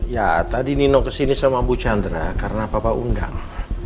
ya tadi nino kesini sama bu chandra karena papa undang